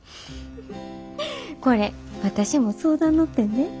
これ私も相談乗ってんで。